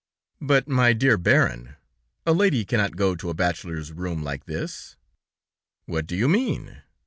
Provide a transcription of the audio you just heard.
"But my dear Baron, a lady cannot go to a bachelor's room like this." "What do you mean?